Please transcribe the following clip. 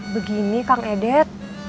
begini kang edet